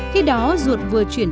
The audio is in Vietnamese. khi đó ruột vừa chuyển